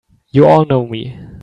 You all know me!